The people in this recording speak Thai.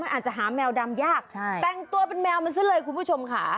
๒อาจจะหาแมวดำยากแต่นตัวเป็นแมวมันเสียเลยคุณผู้ชมค่ะ